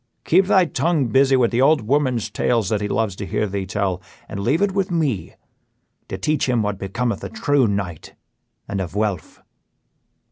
Keep thy tongue busy with the old woman's tales that he loves to hear thee tell, and leave it with me to teach him what becometh a true knight and a Vuelph."